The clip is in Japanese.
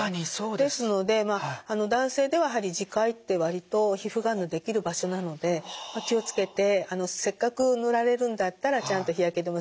ですのでまあ男性ではやはり耳介って割と皮膚がんのできる場所なので気を付けてせっかく塗られるんだったらちゃんと日焼け止め